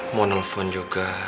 mau nelfon juga